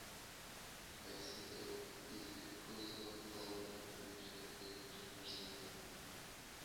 Caicedo is the cousin of Colombian international player Jefferson Lerma.